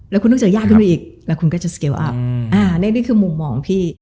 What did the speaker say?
แล้วคุณต้องเจอยากขึ้นไปอีกแล้วคุณก็จะสเกลอัพนี่คือมุมมองพี่